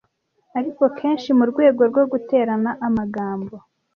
Ariko kenshi, murwego rwo guterana amagambo,